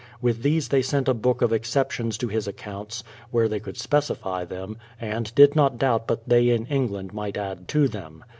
With these they sent a book of exceptions to his accounts, where they could specify them, and did not doubt but they in Eng land might add to them.